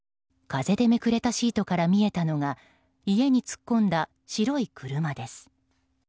風でめくれたシートから見えたのが家に突っ込んだ白い車です。